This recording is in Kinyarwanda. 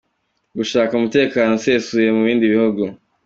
Gushaka umutekano usesuye mu bindi bihugu.